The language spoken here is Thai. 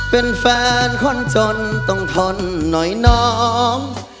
เป็นแฟนคนจนต้องทนหน่อยน้อง